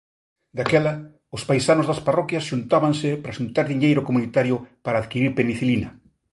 Daquela, os paisanos das parroquias xuntábanse para xuntar diñeiro comunitario para adquirir penicilina.